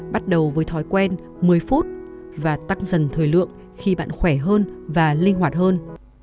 bắt đầu với thói quen một mươi phút và tăng dần thời lượng khi bạn khỏe hơn và linh hoạt hơn